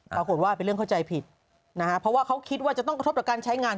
ปรากฏว่าเป็นเรื่องเข้าใจผิดนะฮะเพราะว่าเขาคิดว่าจะต้องกระทบต่อการใช้งาน